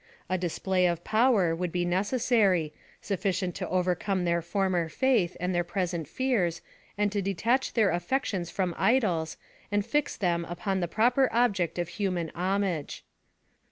A display of power would be necessary, sufiicient to overcome their former faith, and their present fears, and to detach their affections from idols, and fix them upon the proper object of human homage.